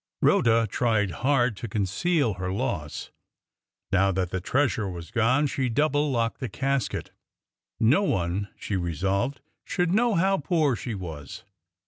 Rhoda tried hard to conceal her loss. Now that the treasure was gone, she double locked the casket. No one, she resolved, should know how poor she was.